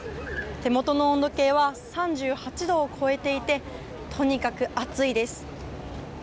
手元の温度計は３８度を超えていてとにかく暑いです。